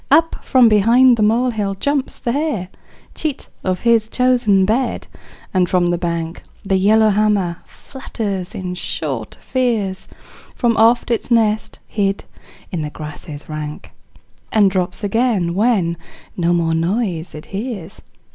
Up from behind the molehill jumps the hare, Cheat of his chosen bed, and from the bank The yellowhammer flutters in short fears From off its nest hid in the grasses rank, And drops again when no more noise it hears.